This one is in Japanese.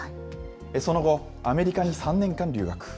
その後、アメリカに３年間留学。